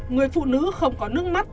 người phụ nữ không có nước mắt